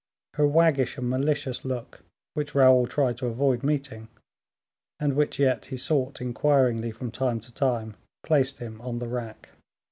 Her waggish and malicious look, which Raoul tried to avoid meeting, and which yet he sought inquiringly from time to time, placed him on the rack.